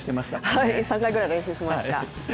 はい、３回くらい練習しました。